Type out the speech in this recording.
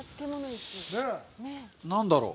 何だろう。